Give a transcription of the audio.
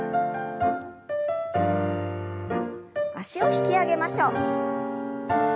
脚を引き上げましょう。